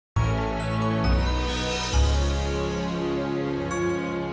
norak banget sih lah